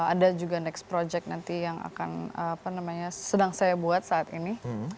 ada juga next project nanti yang akan sedang saya buat saat ini